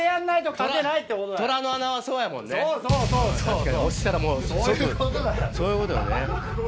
確かに落ちたらもう即そういうことよね。